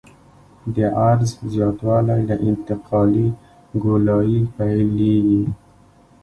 د عرض زیاتوالی له انتقالي ګولایي پیلیږي